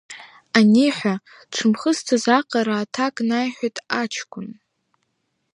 Аниҳәа, дшымхысцыз аҟара аҭак наиҳәеит аҷкәын.